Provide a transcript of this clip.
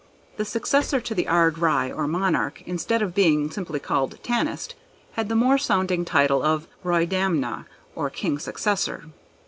The successor to the Ard Righ, or Monarch, instead of being simply called Tanist, had the more sounding title of Roydamna, or King successor.